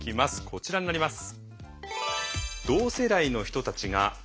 こちらになります。